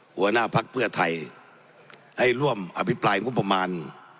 หัวหน้าภักดิ์เพื่อไทยให้ร่วมอภิปรายงบประมาณ